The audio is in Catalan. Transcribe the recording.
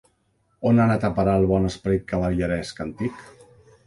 On ha anat a parar el bon esperit cavalleresc antic?